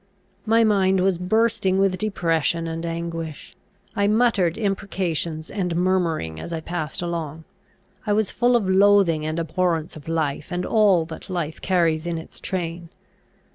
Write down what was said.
My mind was bursting with depression and anguish. I muttered imprecations and murmuring as I passed along. I was full of loathing and abhorrence of life, and all that life carries in its train.